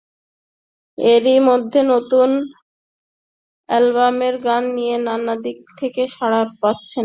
এরই মধ্যে নতুন অ্যালবামের গান নিয়ে নানা দিক থেকে সাড়া পাচ্ছেন।